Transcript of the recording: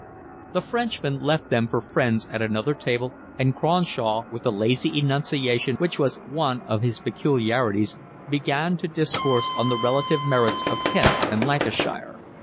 The Frenchman left them for friends at another table, and Cronshaw, with the lazy enunciation which was one of his peculiarities, began to discourse on the relative merits of Kent and Lancashire.